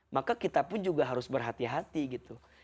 maka kita pun juga harus berhati hati gitu